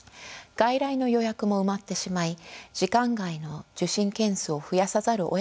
外来の予約も埋まってしまい時間外の受診件数を増やさざるをえない状況です。